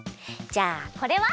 じゃあこれは？